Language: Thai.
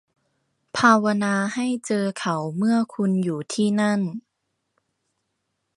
ภาวนาให้เจอเขาเมื่อคุณอยู่ที่นั่น